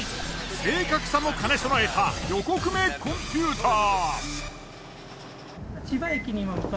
正確さも兼ね備えた横粂コンピューター。